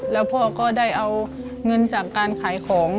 แล้วพ่อก็ได้เอาเงินจากการขายของ